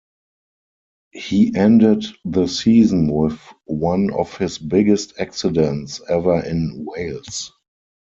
He ended the season with one of his biggest accidents ever in Wales.